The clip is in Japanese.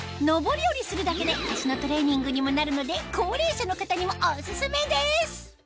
上り下りするだけで足のトレーニングにもなるので高齢者の方にもオススメです